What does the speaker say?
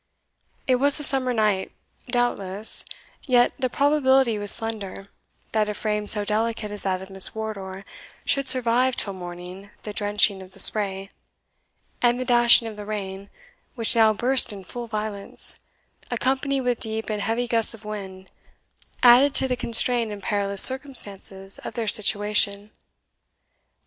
It was a summer night, doubtless; yet the probability was slender, that a frame so delicate as that of Miss Wardour should survive till morning the drenching of the spray; and the dashing of the rain, which now burst in full violence, accompanied with deep and heavy gusts of wind, added to the constrained and perilous circumstances of their situation.